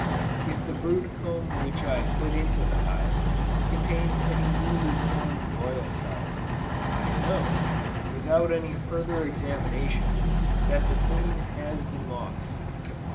If the brood comb which I put into the hive, contains any newly formed royal cells, I know, without any further examination, that the queen has been lost.